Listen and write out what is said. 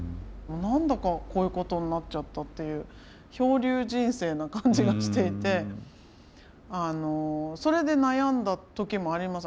何だかこういうことになっちゃったっていう漂流人生な感じがしていてそれで悩んだ時もあります。